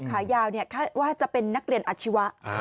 ขายาวคาดว่าจะเป็นนักเรียนอาชีวะ